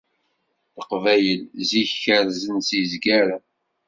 Leqbayel, zik, kerrzen s yizgaren.